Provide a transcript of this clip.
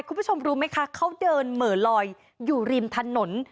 คุณผู้ชมรู้ไหมคะเขาเดินเหม่อลอยอยู่ริมถนน